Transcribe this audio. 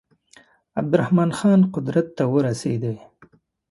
عبدالرحمن خان قدرت ته ورسېدی.